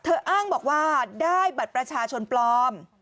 อ้างบอกว่าได้บัตรประชาชนปลอม